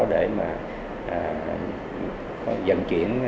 để dẫn chuyển